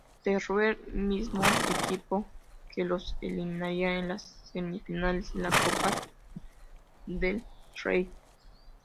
Teruel, mismo equipo que los eliminaría en las semifinales de la Copa del Rey.